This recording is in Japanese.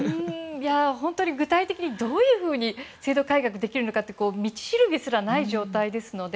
具体的にどういうふうに制度改革できるのかって道しるべすらない状態ですので。